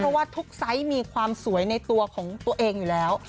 เพราะว่าทุกไซส์มีความสวยในตัวของตัวเองอยู่แล้ว